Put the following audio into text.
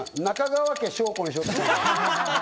中川家翔子にしようって。